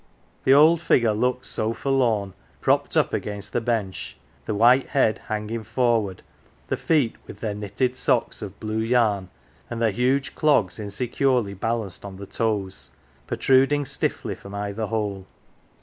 The old figure looked so forlorn propped up against the bench, the white head hanging forward, the feet, with their knitted socks of blue yarn and their huge clogs insecurely balanced on the toes, protruding stiffly from either hole.